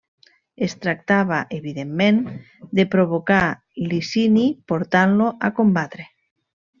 Es tractava evidentment de provocar Licini portant-lo a combatre.